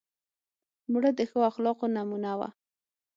مړه د ښو اخلاقو نمونه وه